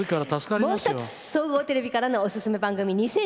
もう一つ総合テレビからのオススメ番組。